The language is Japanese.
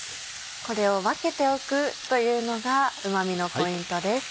これを分けておくというのがうま味のポイントです。